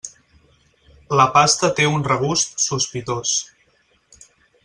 La pasta té un regust sospitós.